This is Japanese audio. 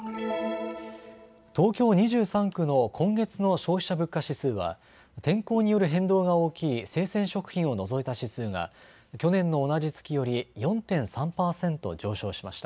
東京２３区の今月の消費者物価指数は天候による変動が大きい生鮮食品を除いた指数が去年の同じ月より４．３％上昇しました。